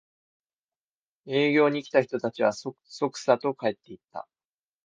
営業に来た人たちはそそくさと帰っていった